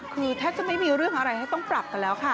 คือแทบจะไม่มีเรื่องอะไรให้ต้องปรับกันแล้วค่ะ